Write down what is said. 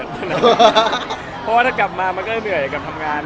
เพราะว่าถ้ากลับมามันก็เหนื่อยกับทำงาน